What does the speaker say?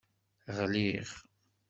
Ɣliɣ.